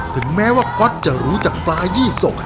ถึงแม้ว่าก๊อตจะรู้จักปลายี่สก